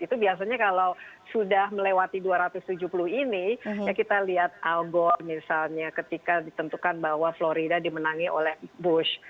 itu biasanya kalau sudah melewati dua ratus tujuh puluh ini ya kita lihat algor misalnya ketika ditentukan bahwa florida dimenangi oleh bush